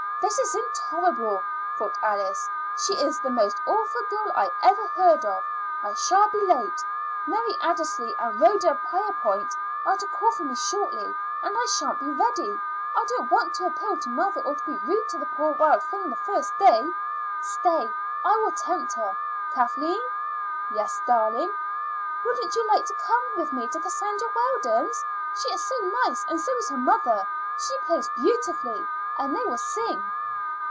"This is intolerable," thought Alice. "She is the most awful girl I ever heard of. I shall be late. Mary Addersley and Rhoda Pierpont are to call for me shortly, and I shan't be ready. I don't want to appeal to mother or to be rude to the poor wild thing the first day. Stay, I will tempt her. Kathleen!" "Yes, darling." "Wouldn't you like to come with me to Cassandra Weldon's? She is so nice, and so is her mother. She plays beautifully, and they will sing."